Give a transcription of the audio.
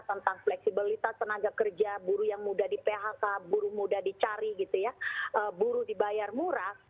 tentang fleksibilitas tenaga kerja buruh yang mudah di phk buruh mudah dicari gitu ya buruh dibayar murah